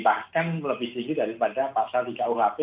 bahkan lebih tinggi daripada pasal di kuhp